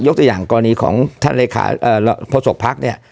ยกตัวอย่างกรณีของเธอละเจ้าเพราะทรงผลศอกภัคดิ์